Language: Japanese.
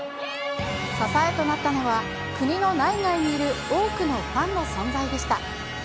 支えとなったのは、国の内外にいる多くのファンの存在でした。